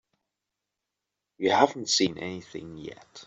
You haven't seen anything yet.